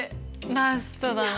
ラストだね。